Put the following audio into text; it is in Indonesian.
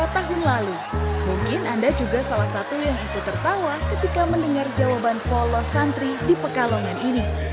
dua puluh tahun lalu mungkin anda juga salah satu yang ikut tertawa ketika mendengar jawaban polos santri di pekalongan ini